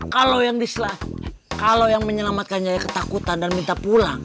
kalau yang diselamatkan kalau yang menyelamatkan nyari ketakutan dan minta pulang